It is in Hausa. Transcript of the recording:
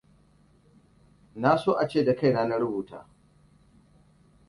Na so ace da kaina na rubuta.